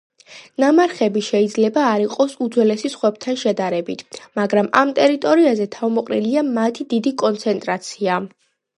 ნამარხები შეიძლება არ იყოს უძველესი სხვებთან შედარებით, მაგრამ ამ ტერიტორიაზე თავმოყრილია მათი დიდი კონცენტრაცია.